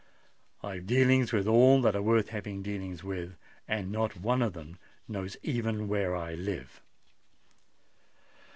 I've dealings with all that are worth having dealings with; and not one of them knows even where I live!"